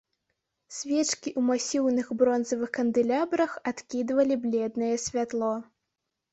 Свечкі ў масіўных бронзавых кандэлябрах адкідвалі бледнае святло.